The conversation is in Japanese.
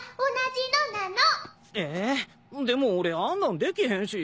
えでも俺あんなんできへんし。